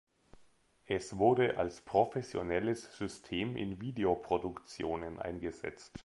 Es wurde als professionelles System in Videoproduktionen eingesetzt.